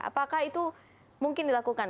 apakah itu mungkin dilakukan